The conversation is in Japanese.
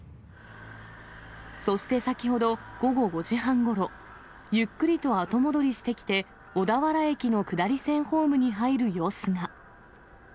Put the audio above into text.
そして先ほど、午後５時半ごろ、ゆっくりと後戻りしてきて、小田原駅の下り線ホームに入る様子が。